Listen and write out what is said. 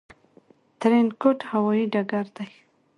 ترينکوټ هوايي ډګر دى